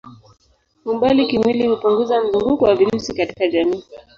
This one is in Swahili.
Umbali kimwili hupunguza mzunguko wa virusi katika jamii.